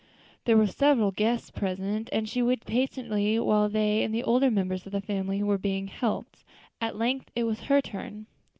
There were several guests present, and she waited patiently while they and the older members of the family were being helped. At length it was her turn.